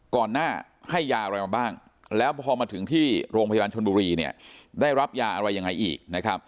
ก่อนหน้าให้ยาอะไรมาบ้างแล้วพอมาถึงที่โรงพยาบาลชนบุรีเนี่ยได้รับยาอะไรยังไงอีกนะครับ